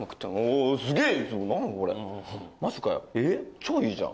超いいじゃん。